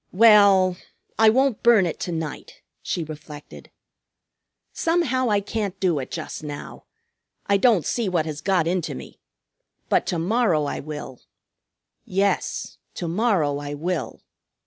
"Well, I won't burn it to night," she reflected. "Somehow, I can't do it just now. I don't see what has got into me! But to morrow I will. Yes, to morrow I will."